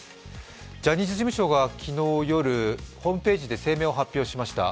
ジャニーズ事務所が昨日夜、ホームページで声明を発表しました。